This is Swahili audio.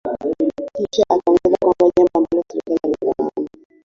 Kisha akaongeza kwamba jambo ambalo serikali hailifahamu